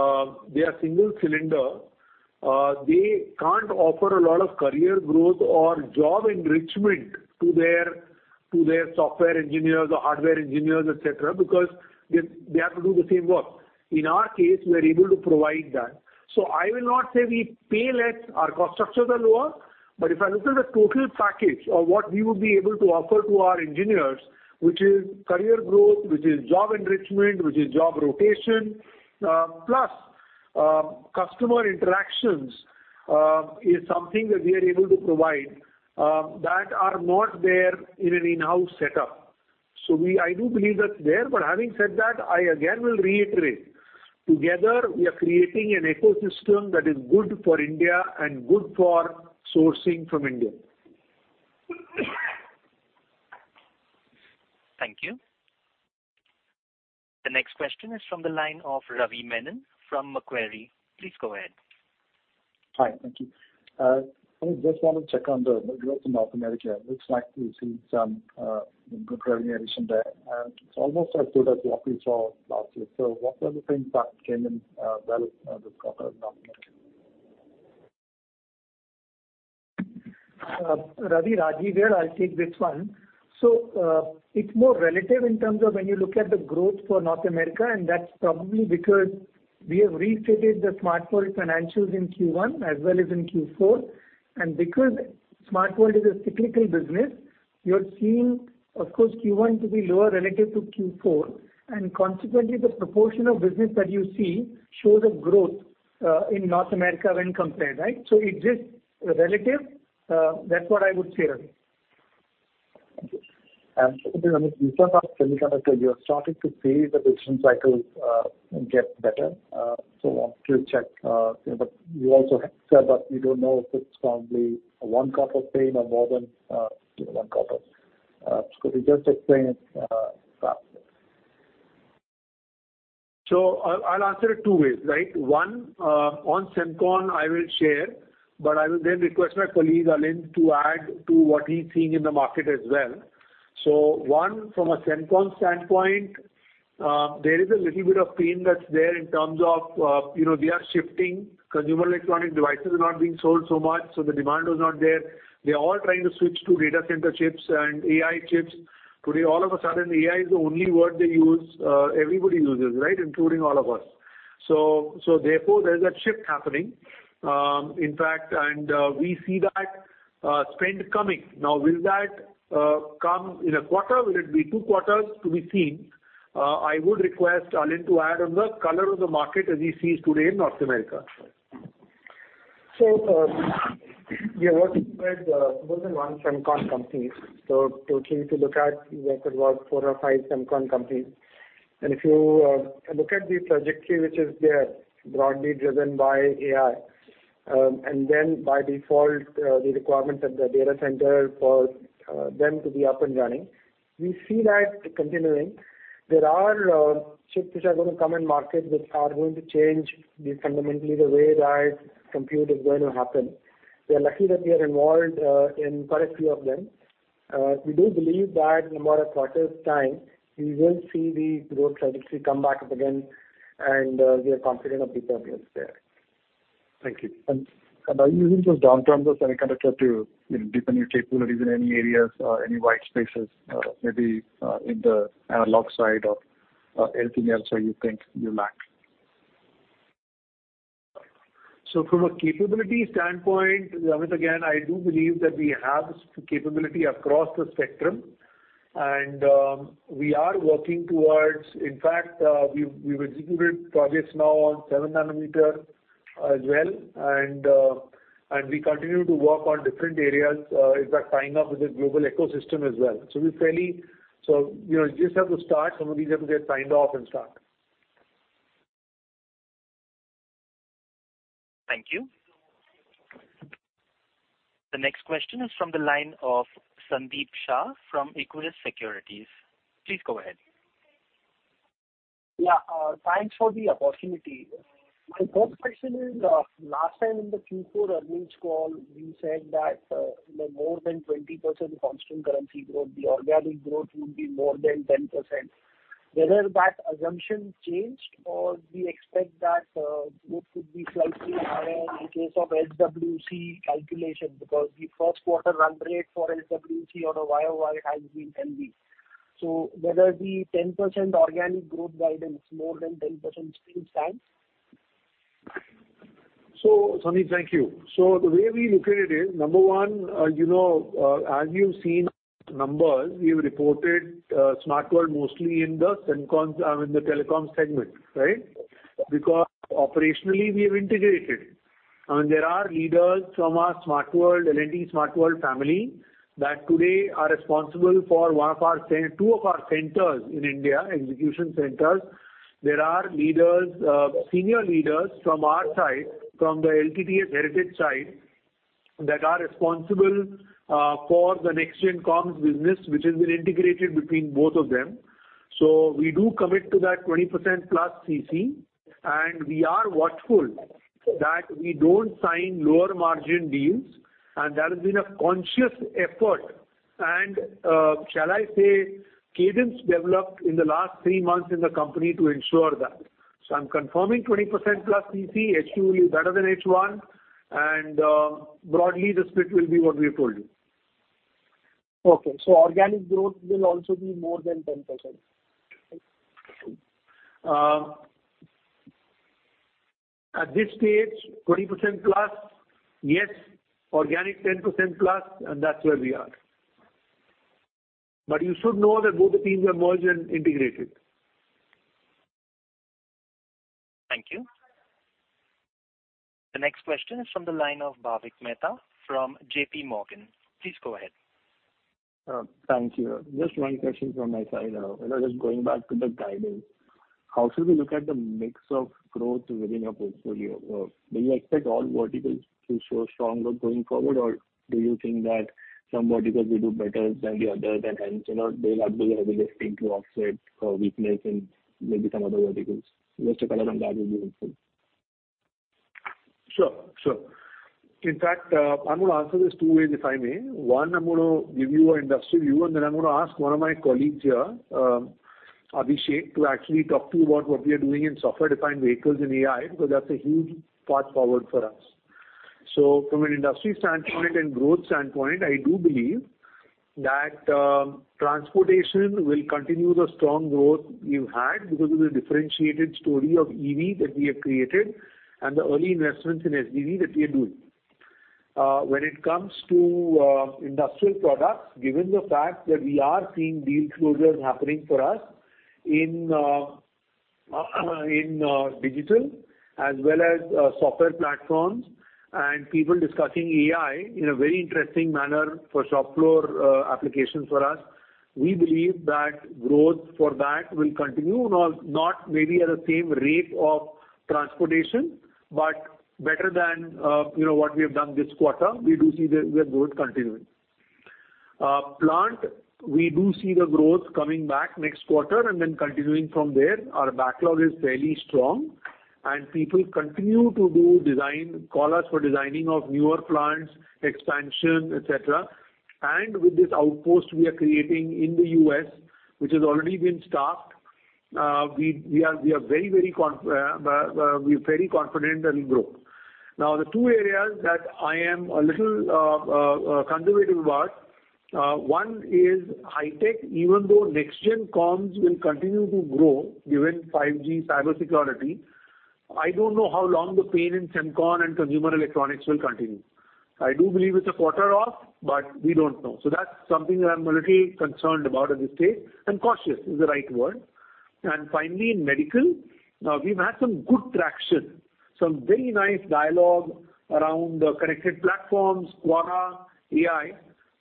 can't offer a lot of career growth or job enrichment to their software engineers or hardware engineers, et cetera, because they have to do the same work. In our case, we're able to provide that. I will not say we pay less, our cost structures are lower, but if I look at the total package of what we would be able to offer to our engineers, which is career growth, which is job enrichment, which is job rotation, plus customer interactions, is something that we are able to provide that are not there in an in-house setup. I do believe that's there, but having said that, I again will reiterate, together, we are creating an ecosystem that is good for India and good for sourcing from India. Thank you. The next question is from the line of Ravi Menon from Macquarie. Please go ahead. Hi, thank you. I just want to check on the growth in North America. It looks like we see some good revenue addition there, and it's almost as good as what we saw last year. What are the things that came in, well, this quarter in North America? Ravi, Rajeev here. I'll take this one. It's more relative in terms of when you look at the growth for North America, and that's probably because we have restated the Smart World financials in Q1 as well as in Q4. Because Smart World is a cyclical business, you're seeing, of course, Q1 to be lower relative to Q4, and consequently, the proportion of business that you see shows a growth in North America when compared, right? It is relative. That's what I would say, Ravi. Thank you. In terms of semiconductor, you are starting to see the business cycles get better, want to check. You also said that you don't know if it's probably one quarter pain or more than one quarter. Could you just explain it faster? I'll answer it two ways, right? One, on semicon, I will share, but I will then request my colleague, Alind, to add to what he's seeing in the market as well. One, from a semicon standpoint, there is a little bit of pain that's there in terms of, you know, they are shifting. Consumer electronic devices are not being sold so much, so the demand was not there. They are all trying to switch to data center chips and AI chips. Today, all of a sudden, AI is the only word they use, everybody uses, right, including all of us. Therefore, there is a shift happening. In fact, we see that spend coming. Will that come in a quarter? Will it be two quarters? To be seen. I would request Alind to add on the color of the market as he sees today in North America. We are working with more than one semicon company. Totally to look at, there could work four or five semicon companies. If you look at the trajectory, which is there, broadly driven by AI, and then by default, the requirements of the data center for them to be up and running, we see that continuing. There are shifts which are going to come in market, which are going to change the fundamentally the way that compute is going to happen. We are lucky that we are involved in quite a few of them. We do believe that in about a quarter's time, we will see the growth trajectory come back up again, and we are confident of the progress there. Thank you. Are you using those downturns of semiconductor to deepen your capabilities in any areas or any white spaces, maybe, in the analog side or, anything else where you think you lack? From a capability standpoint, Amit, again, I do believe that we have capability across the spectrum, and we are working towards. In fact, we've executed projects now on 7 nanometer as well, and we continue to work on different areas, in fact, tying up with the global ecosystem as well. You know, you just have to start, some of these have to get signed off and start. Thank you. The next question is from the line of Sandeep Shah from Equirus Securities. Please go ahead. Yeah, thanks for the opportunity. My first question is, last time in the Q4 earnings call, you said that the more than 20% constant currency growth, the organic growth would be more than 10%. Whether that assumption changed, or we expect that growth would be slightly higher in case of SWC calculation? Because the first quarter run rate for SWC on a year-over-year has been healthy. Whether the 10% organic growth guidance, more than 10% still stands? Sandeep, thank you. The way we look at it is, number one, you know, as you've seen numbers, we've reported, Smart World mostly in the telecom segment, right? Because operationally, we have integrated, and there are leaders from our Smart World, L&T Smart World family, that today are responsible for one of our two of our centers in India, execution centers. There are leaders, senior leaders from our side, from the LTTS heritage side, that are responsible for the next gen comms business, which has been integrated between both of them. We do commit to that 20%+ CC, and we are watchful that we don't sign lower margin deals, and there has been a conscious effort, and, shall I say, cadence developed in the last three months in the company to ensure that. I'm confirming 20%+ CC, H2 will be better than H1, and broadly, the split will be what we have told you. Okay. Organic growth will also be more than 10%? At this stage, 20%+, yes, organic, 10%+, and that's where we are. You should know that both the teams are merged and integrated. Thank you. The next question is from the line of Bhavik Mehta from JPMorgan. Please go ahead. Thank you. Just one question from my side. Just going back to the guidance. How should we look at the mix of growth within your portfolio? Do you expect all verticals to show stronger going forward, or do you think that some verticals will do better than the other, you know, they will have the ability to offset weakness in maybe some other verticals? Just a color on that would be helpful. Sure. Sure. In fact, I'm going to answer this two ways, if I may. One, I'm going to give you an industry view, and then I'm going to ask one of my colleagues here, Abhishek, to actually talk to you about what we are doing in software-defined vehicles and AI, because that's a huge path forward for us. From an industry standpoint and growth standpoint, I do believe that transportation will continue the strong growth we've had because of the differentiated story of EV that we have created and the early investments in SDV that we are doing. When it comes to industrial products, given the fact that we are seeing deal closures happening for us in digital as well as software platforms and people discussing AI in a very interesting manner for shop floor applications for us, we believe that growth for that will continue, not maybe at the same rate of transportation, but better than, you know, what we have done this quarter. We do see the growth continuing. Plant, we do see the growth coming back next quarter and then continuing from there. Our backlog is fairly strong, and people continue to do design, call us for designing of newer plants, expansion, et cetera. With this outpost we are creating in the U.S., which has already been staffed, we are very confident that it'll grow. The two areas that I am a little conservative about, one is high tech. Even though next gen comms will continue to grow given 5G cybersecurity, I don't know how long the pain in semicon and consumer electronics will continue. I do believe it's a quarter off, but we don't know. That's something that I'm a little concerned about at this stage, and cautious is the right word. Finally, in medical, we've had some good traction, some very nice dialogue around the connected platforms, QARA, AI,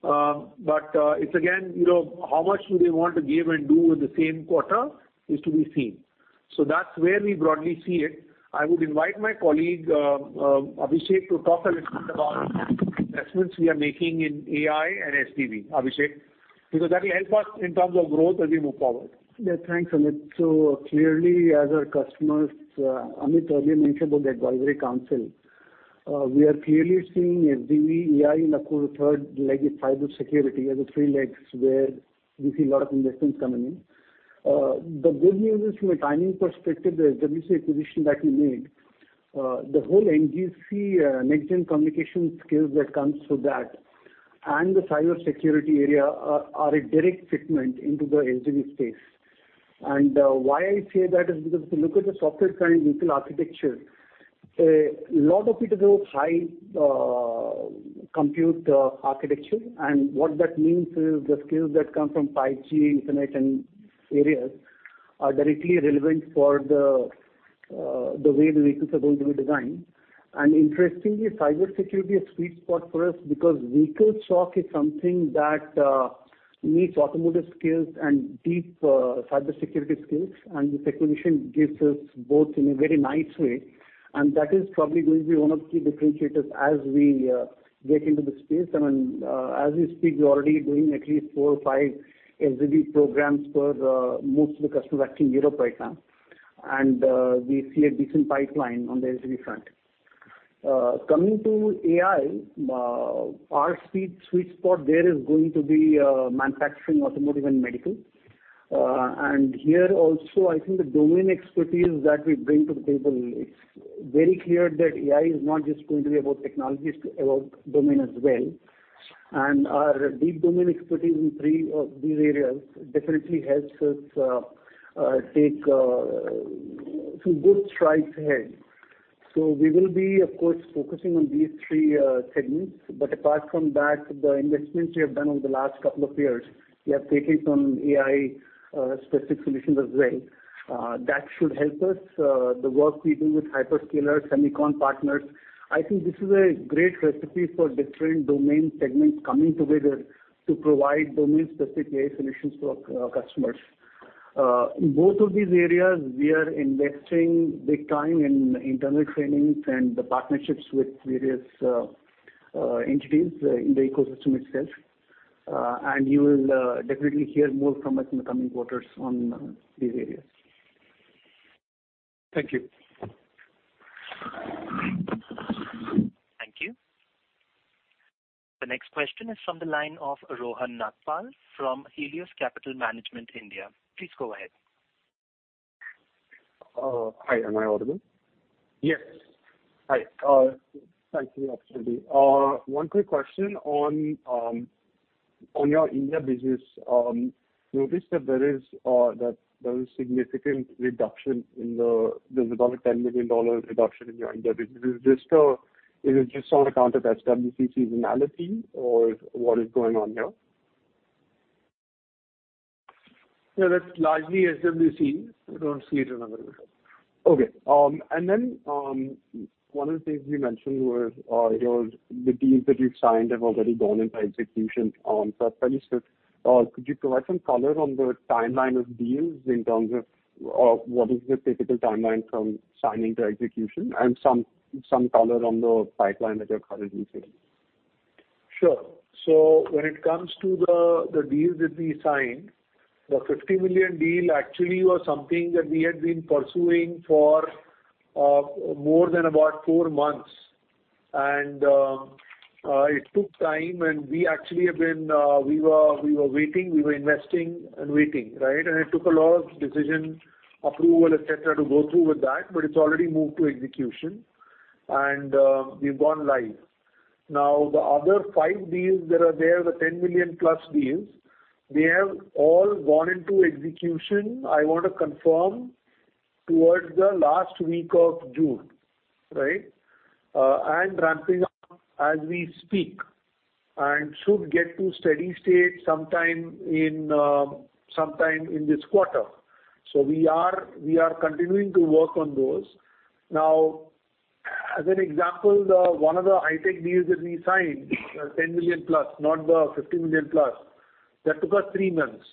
it's again, you know, how much do they want to give and do in the same quarter is to be seen. That's where we broadly see it. I would invite my colleague, Abhishek, to talk a little bit about investments we are making in AI and SDV. Abhishek, because that will help us in terms of growth as we move forward. Yeah, thanks, Amit. Clearly, as our customers, Amit earlier mentioned about the advisory council, we are clearly seeing SDV, AI, and of course, the third leg is cybersecurity, as a three legs, where we see a lot of investments coming in. The good news is, from a timing perspective, the SWC acquisition that we made, the whole NGC, next-gen communication skills that comes through that and the cybersecurity area are a direct fitment into the SDV space. Why I say that is because if you look at the software-defined vehicle architecture, a lot of it is those high-compute architecture. What that means is the skills that come from 5G, internet, and areas are directly relevant for the, the way the vehicles are going to be designed. Interestingly, cyber security is a sweet spot for us, because vehicle SOC is something that needs automotive skills and deep cyber security skills, and this acquisition gives us both in a very nice way. That is probably going to be one of the differentiators as we get into the space. I mean, as we speak, we're already doing at least four or five SDV programs for most of the customers in Europe right now. We see a decent pipeline on the SDV front. Coming to AI, our sweet spot there is going to be manufacturing, automotive, and medical. Here also, I think the domain expertise that we bring to the table, it's very clear that AI is not just going to be about technologies, about domain as well. Our deep domain expertise in three of these areas definitely helps us take some good strides ahead. We will be, of course, focusing on these three segments. Apart from that, the investments we have done over the last couple of years, we have taken some AI specific solutions as well. That should help us the work we do with hyperscalers, semicon partners. I think this is a great recipe for different domain segments coming together to provide domain-specific AI solutions to our customers. In both of these areas, we are investing big time in internal trainings and the partnerships with various entities in the ecosystem itself. You will definitely hear more from us in the coming quarters on these areas. Thank you. Thank you. The next question is from the line of Rohan Nagpal from Helios Capital Management, India. Please go ahead. Hi, am I audible? Yes. Hi, thank you for the opportunity. One quick question on your India business. Noticed that there is significant reduction. There's about a $10 million reduction in your India business. Is this just on account of SWC seasonality, or what is going on here? No, that's largely SWC. I don't see it another way. Okay. One of the things you mentioned was, you know, the deals that you've signed have already gone into execution. Could you provide some color on the timeline of deals in terms of what is the typical timeline from signing to execution, and some color on the pipeline that you're currently seeing? When it comes to the deals that we signed, the $50 million deal actually was something that we had been pursuing for more than about four months. It took time, and we actually have been, we were waiting, we were investing and waiting, right? It took a lot of decision, approval, et cetera, to go through with that, but it's already moved to execution. We've gone live. Now, the other five deals that are there, the $10 million+ deals, they have all gone into execution. I want to confirm towards the last week of June, right? Ramping up as we speak, and should get to steady state sometime in this quarter. We are continuing to work on those. As an example, one of the high-tech deals that we signed, $10 million+, not the $50 million plus, that took us three months,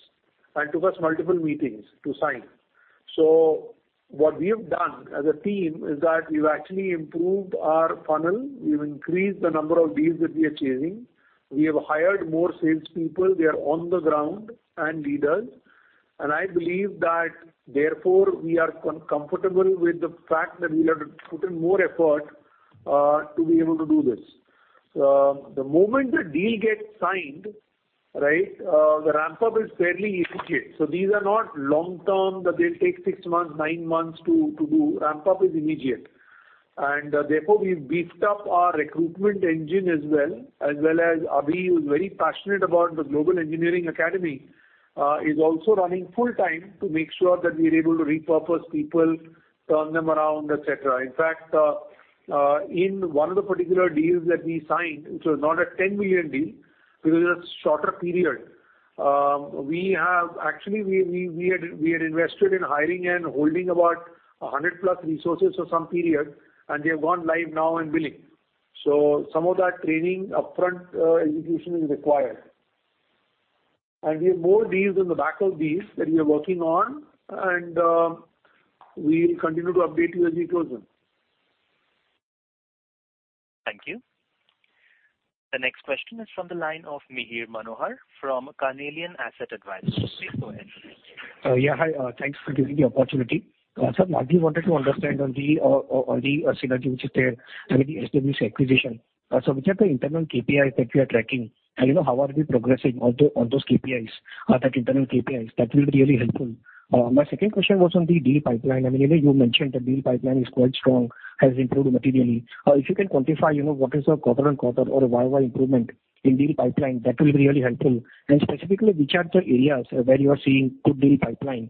took us multiple meetings to sign. What we have done as a team is that we've actually improved our funnel. We've increased the number of deals that we are chasing. We have hired more salespeople. They are on the ground and leaders. I believe that therefore, we are comfortable with the fact that we'll have to put in more effort to be able to do this. The moment the deal gets signed, right, the ramp-up is fairly immediate. These are not long-term, that they'll take six months, nine months to do. Ramp-up is immediate. Therefore, we've beefed up our recruitment engine as well, as well as Abhi, who's very passionate about the Global Engineering Academy, is also running full time to make sure that we are able to repurpose people, turn them around, et cetera. In fact, in one of the particular deals that we signed, which was not a $10 million deal, it was a shorter period, we actually had invested in hiring and holding about 100+ resources for some period, and they have gone live now and billing. So some of that training, upfront, education is required. We have more deals in the backlog deals that we are working on, and we'll continue to update you as we close them. Thank you. The next question is from the line of Mihir Manohar from Carnelian Asset Advisors. Please go ahead. Yeah, hi. Thanks for giving the opportunity. Sir, largely wanted to understand on the synergy, which is there, I mean, the SWC acquisition. Which are the internal KPIs that you are tracking? You know, how are we progressing on those KPIs? That will be really helpful. My second question was on the deal pipeline. I mean, you know, you mentioned the deal pipeline is quite strong, has improved materially. If you can quantify, you know, what is the quarter-on-quarter or YOY improvement in deal pipeline, that will be really helpful. Specifically, which are the areas where you are seeing good deal pipeline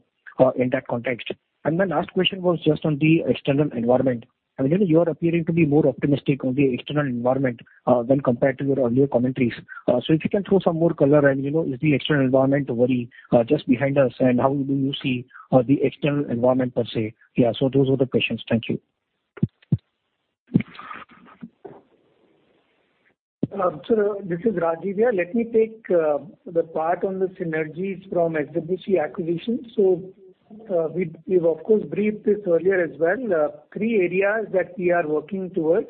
in that context? My last question was just on the external environment. I mean, you are appearing to be more optimistic on the external environment, when compared to your earlier commentaries. If you can throw some more color and, you know, is the external environment worry, just behind us, and how do you see, the external environment, per se? Yeah, those were the questions. Thank you. Sir, this is Rajeev here. Let me take the part on the synergies from SWC acquisition. We've, of course, briefed this earlier as well. Three areas that we are working towards.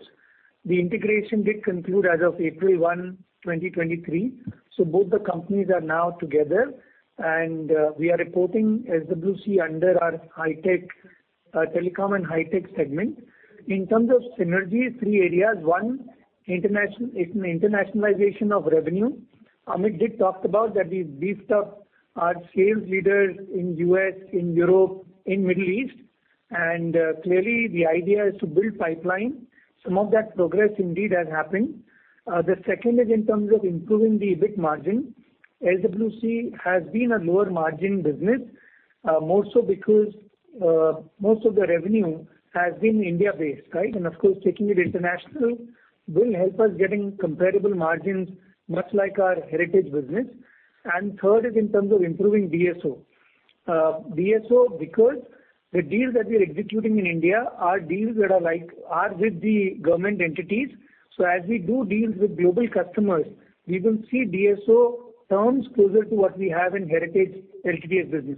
The integration did conclude as of April 1, 2023, so both the companies are now together, and we are reporting SWC under our high tech, telecom and high-tech segment. In terms of synergies, three areas. One, internationalization of revenue. Amit did talk about that we've beefed up our sales leaders in US, in Europe, in Middle East, and clearly, the idea is to build pipeline. Some of that progress indeed has happened. The second is in terms of improving the EBIT margin. SWC has been a lower margin business, more so because most of the revenue has been India-based, right? Of course, taking it international will help us getting comparable margins, much like our heritage business. Third is in terms of improving DSO. DSO, because the deals that we are executing in India are deals that are like, are with the government entities. As we do deals with global customers, we will see DSO terms closer to what we have in heritage LTT business.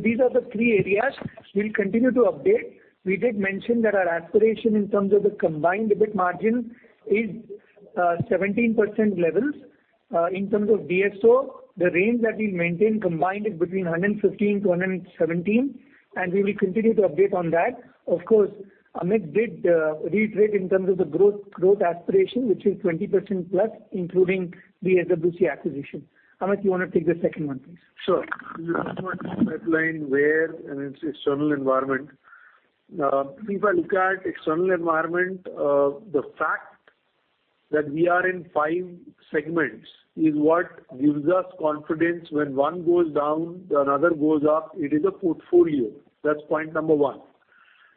These are the three areas. We'll continue to update. We did mention that our aspiration in terms of the combined EBIT margin is 17% levels. In terms of DSO, the range that we maintain combined is between 115-117, and we will continue to update on that. Of course, Amit did reiterate in terms of the growth aspiration, which is 20% plus, including the SWC acquisition. Amit, you want to take the second one, please? Sure. pipeline where and its external environment. If I look at external environment, the fact that we are in five segments is what gives us confidence when one goes down, another goes up, it is a portfolio. That's point number one.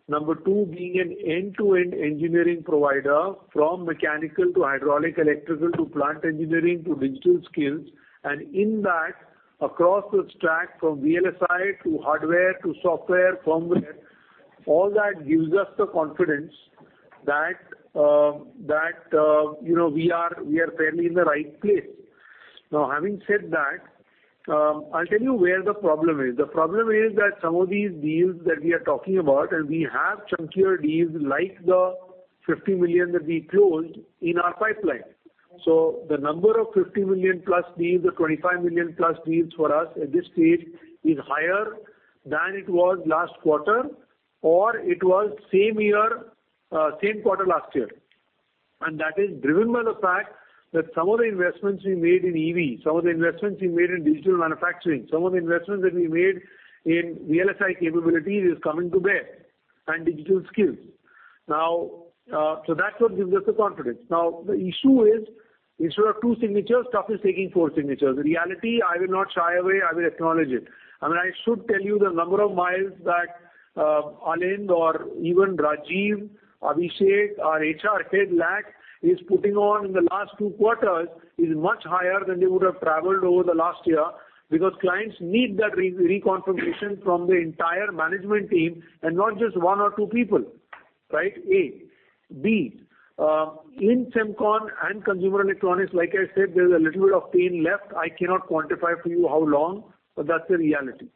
Number two, being an end-to-end engineering provider, from mechanical to hydraulic, electrical to plant engineering to digital skills, and in that, across the stack, from VLSI to hardware to software, firmware, all that gives us the confidence that, you know, we are, we are fairly in the right place. Now, having said that, I'll tell you where the problem is. The problem is that some of these deals that we are talking about, and we have chunkier deals like the $50 million that we closed in our pipeline. The number of 50 million+ deals or 25 million+ deals for us at this stage is higher than it was last quarter, or it was same year, same quarter last year. That is driven by the fact that some of the investments we made in EV, some of the investments we made in digital manufacturing, some of the investments that we made in VLSI capabilities is coming to bear, and digital skills. Now, that's what gives us the confidence. Now, the issue is, instead of two signatures, stuff is taking four signatures. In reality, I will not shy away, I will acknowledge it. I mean, I should tell you the number of miles that Alind or even Rajeev, Abhishek, our HR Head, Lak, is putting on in the last two quarters is much higher than they would have traveled over the last year, because clients need that reconfirmation from the entire management team and not just one or two people, right? A. B, in semicon and consumer electronics, like I said, there's a little bit of pain left. I cannot quantify for you how long, but that's the reality.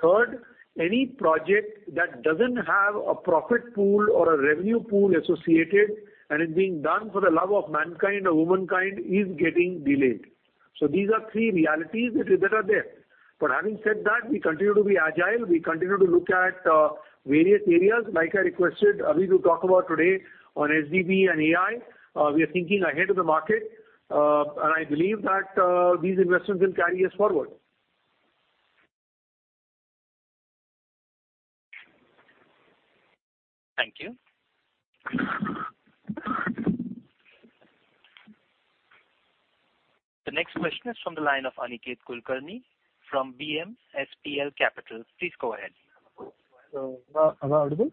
Third, any project that doesn't have a profit pool or a revenue pool associated and is being done for the love of mankind or womankind is getting delayed. These are three realities that are there. Having said that, we continue to be agile, we continue to look at various areas, like I requested Amit to talk about today on SDV and AI. We are thinking ahead of the market, and I believe that these investments will carry us forward. Thank you. The next question is from the line of Aniket Kulkarni from BMSPL Capital. Please go ahead. Am I audible?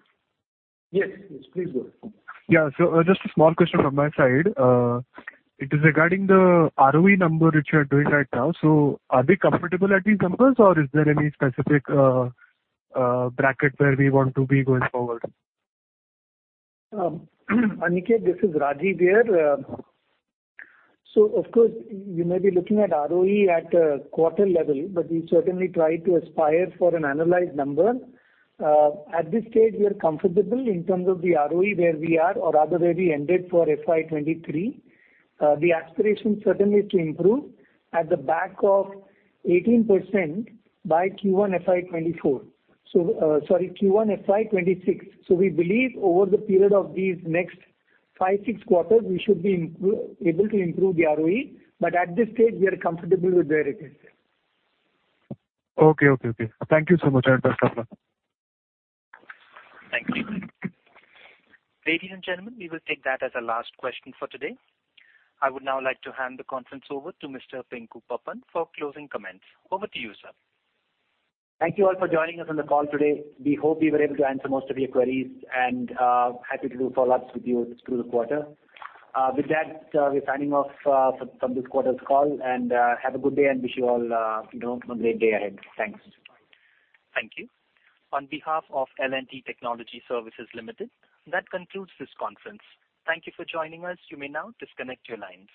Yes, yes, please go ahead. Yeah, so, just a small question from my side. It is regarding the ROE number which you are doing right now. Are we comfortable at these numbers, or is there any specific bracket where we want to be going forward? Aniket, this is Rajeev here. Of course, you may be looking at ROE at a quarter level, but we certainly try to aspire for an annualized number. At this stage, we are comfortable in terms of the ROE where we are, or rather, where we ended for FY 2023. The aspiration certainly is to improve at the back of 18% by Q1 FY 2024. Sorry, Q1 FY 2026. We believe over the period of these next five, six quarters, we should be able to improve the ROE, but at this stage, we are comfortable with where it is. Okay, okay. Thank you so much. I understand that. Thank you. Ladies and gentlemen, we will take that as our last question for today. I would now like to hand the conference over to Mr. Pinku Pappan for closing comments. Over to you, sir. Thank you all for joining us on the call today. We hope we were able to answer most of your queries. Happy to do follow-ups with you through the quarter. With that, we're signing off from this quarter's call. Have a good day and wish you all, you know, a great day ahead. Thanks. Thank you. On behalf of L&T Technology Services Limited, that concludes this conference. Thank you for joining us. You may now disconnect your lines.